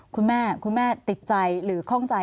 คุณแม่คุณแม่ติดใจหรือข้องใจ